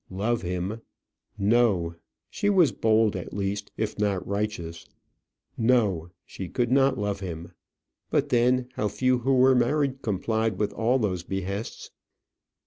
Love him? No; she was bold, at least, if not righteous. No; she could not love him. But, then, how few who were married complied with all those behests?